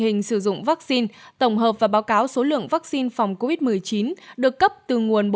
hình sử dụng vaccine tổng hợp và báo cáo số lượng vaccine phòng covid một mươi chín được cấp từ nguồn